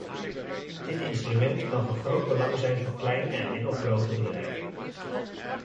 Dit instrument kan van groot belang zijn voor kleine en middelgrote bedrijven.